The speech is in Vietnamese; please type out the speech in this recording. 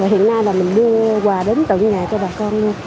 hiện nay là mình đưa quà đến tận nhà cho bà con